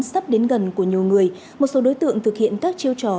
sắp đến gần của nhiều người một số đối tượng thực hiện các chiêu trò